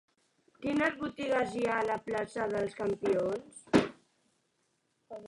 Quines botigues hi ha a la plaça dels Campions?